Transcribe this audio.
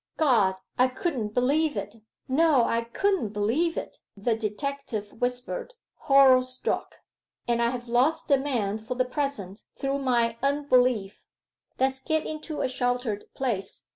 'God! I couldn't believe it no, I couldn't believe it!' the detective whispered, horror struck. 'And I have lost the man for the present through my unbelief. Let's get into a sheltered place....